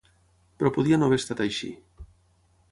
Però podia no haver estat així.